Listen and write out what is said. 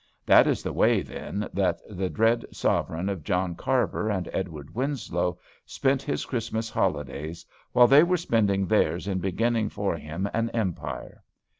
That is the way, then, that the dread sovereign of John Carver and Edward Winslow spent his Christmas holidays, while they were spending theirs in beginning for him an empire.